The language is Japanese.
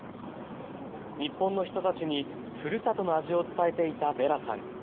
日本の人たちにふるさとの味を伝えていたヴェラさん。